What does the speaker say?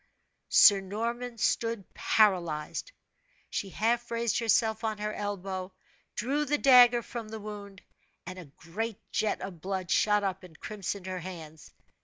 Sir Norman stood paralyzed. She half raised herself on her elbow, drew the dagger from the wound, and a great jet of blood shot up and crimsoned her hands.